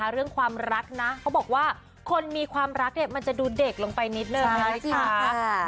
เรื่องความรักนะเขาบอกว่าคนมีความรักเนี่ยมันจะดูเด็กลงไปนิดนึงนะคะ